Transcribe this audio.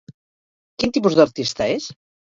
Quin tipus d'artista és?